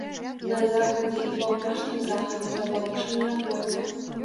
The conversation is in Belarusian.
На захадзе і паўночным захадзе забалочаная пойма.